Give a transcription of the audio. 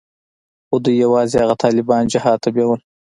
خو دوى يوازې هغه طالبان جهاد ته بيول.